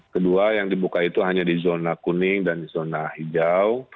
kedua yang dibuka itu hanya di zona kuning dan di zona hijau